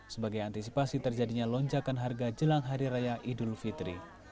sebagai antisipasi terjadinya lonjakan harga jelang hari raya idul fitri